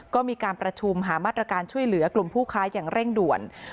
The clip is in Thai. ก็มีการประชุมหามาตรการช่วยเหลือกลุ่มผู้ค้าอย่างเร่งด่วน